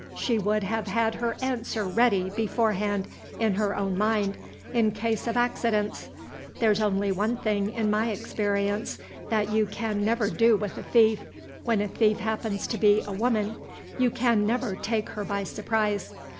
She would have had her answer ready beforehand in her own mind, in case of accidents. There's only one thing in my experience that you can never do with a thief, when a thief happens to be a woman you can never take her by surprise.